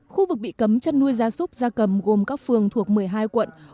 khu vực bị cấm chăn nuôi gia súc gia cầm gồm các phường thuộc một mươi hai quận